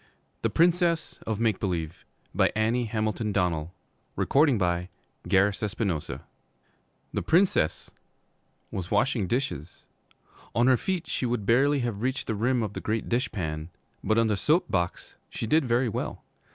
THE PRINCESS OF MAKE BELIEVE ANNIE HAMILTON DONNELL THE Princess was washing dishes. On her feet she would barely have reached the rim of the great dish pan, but on the soap box she did very well.